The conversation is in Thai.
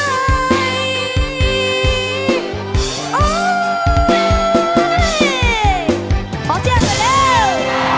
โอ้ยมาเจียงกันแล้ว